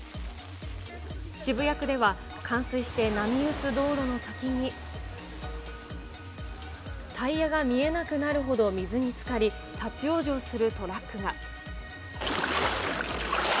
渋谷区では、冠水して波打つ道路の先に、タイヤが見えなくなるほど水につかり、立往生するトラックが。